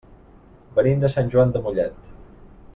Venim de Sant Joan de Mollet.